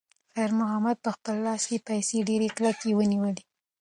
خیر محمد په خپل لاس کې پیسې ډېرې کلکې ونیولې.